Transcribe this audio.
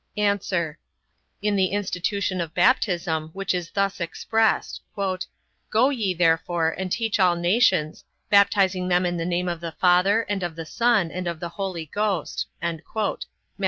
A. In the institution of baptism, which is thus expressed: "Go ye, therefore, and teach all nations, baptizing them in the name of the Father, and of the Son, and of the Holy Ghost", Matt.